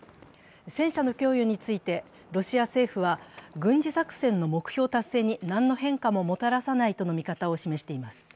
戦車の供与について、ロシア政府は軍事作戦の目標達成に何の変化ももたらさないとの見方を示しています。